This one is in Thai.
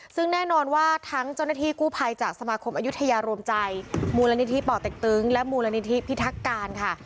ซึ่งแน่นอนว่าทั้งเจ้าหน้าที่กู้ภัยจากสมาคมอายุทยารวมใจมูลนิธิป่อเต็กตึงและมูลนิธิพิทักการค่ะ